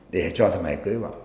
để cho thằng này cưới vợ